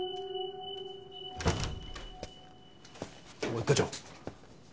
あっ一課長！